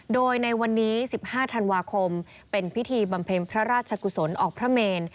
โดยในวันนี้๑๕ธันวาคมเป็นพิธีบำเพ็ญพระราชกุศลออกพระเมน